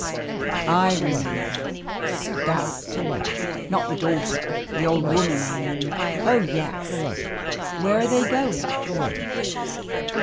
"I remember stout. Not the daughter, the old woman, I mean. Oh yes. Where are they going?"